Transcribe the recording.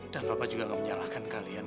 dan papa juga gak menyalahkan kalian